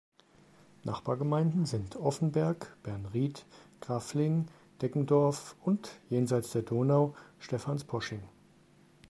Nachbargemeinden sind Offenberg, Bernried, Grafling, Deggendorf und jenseits der Donau Stephansposching.